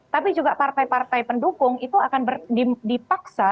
tapi juga partai partai pendukung itu akan dipaksa